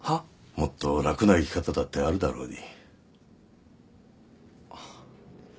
もっと楽な生き方だってあるだろうに。